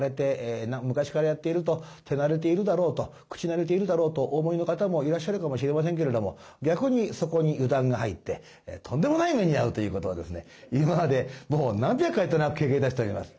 昔からやっていると手慣れているだろうと口慣れているだろうとお思いの方もいらっしゃるかもしれませんけれども逆にそこに油断が入ってとんでもない目に遭うということを今までもう何百回となく経験いたしております。